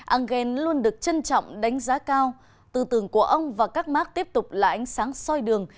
engel luôn được trân trọng đánh giá cao tư tưởng của ông và các mark tiếp tục là ánh sáng soi đường